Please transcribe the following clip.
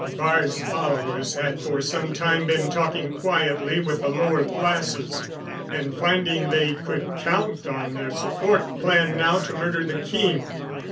Baar's followers had for some time been talking quietly with the lower classes, and, finding they could count on their support, planned now to murder the king.